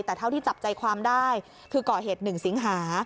แต่เท่าที่จับใจความได้คือก่อเหตุ๑สิงหา